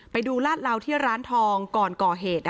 ไปดูลาดเหลาที่ร้านทองก่อนก่อเหตุ